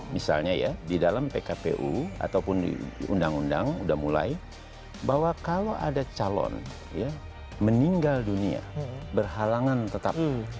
misalnya ya di dalam pkpu ataupun di undang undang sudah mulai bahwa kalau ada calon meninggal dunia berhalangan tetap